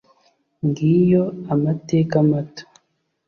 Ngiyo amateka mato